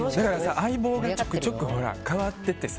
相棒がちょくちょく変わっててさ。